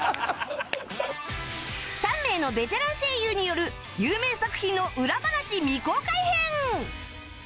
３名のベテラン声優による有名作品の裏話未公開編！